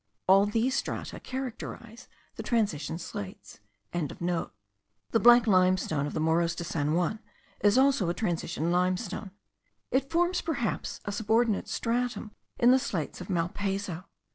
All these strata characterise the transition slates.) The black limestone of the Morros de San Juan is also a transition limestone. It forms perhaps a subordinate stratum in the slates of Malpaso.